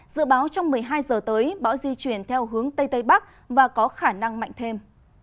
dự báo trong một mươi hai giờ tới bão di chuyển theo hướng tây tây bắc và có khả năng mạnh thêm